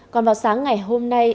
còn vào sáng ngày hôm nay